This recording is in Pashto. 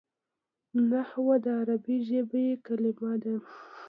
نحوه د عربي ژبي کلیمه ده.